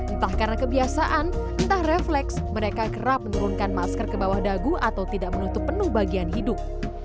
entah karena kebiasaan entah refleks mereka kerap menurunkan masker ke bawah dagu atau tidak menutup penuh bagian hidup